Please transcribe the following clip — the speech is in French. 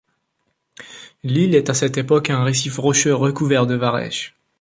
L'île est à cette époque un récif rocheux recouvert de varech.